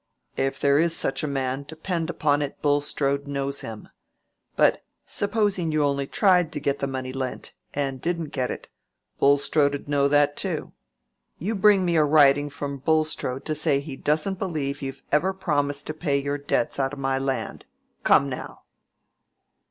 "If there is such a man, depend upon it Bulstrode knows him. But, supposing you only tried to get the money lent, and didn't get it—Bulstrode 'ud know that too. You bring me a writing from Bulstrode to say he doesn't believe you've ever promised to pay your debts out o' my land. Come now!"